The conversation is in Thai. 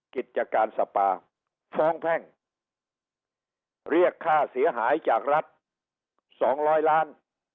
กิจการสปาฟ้องแพ่งเรียกค่าเสียหายจากรัฐ๒๐๐ล้าน